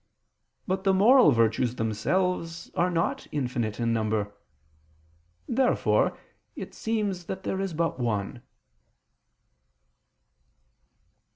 But the moral virtues themselves are not infinite in number. Therefore it seems that there is but one.